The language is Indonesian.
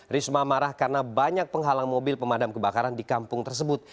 risma marah karena banyak penghalang mobil pemadam kebakaran di kampung tersebut